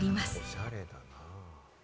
おしゃれだな。